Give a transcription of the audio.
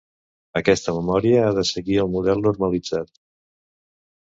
Aquesta memòria ha de seguir el model normalitzat.